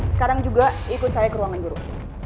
sekarang juga ikut saya ke ruangan guru